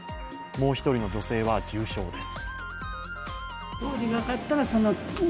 もう１人の女性は重傷です。